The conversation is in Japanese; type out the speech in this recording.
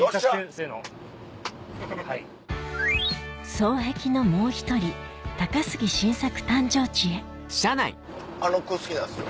双璧のもう１人高杉晋作誕生地へあの句好きなんですよ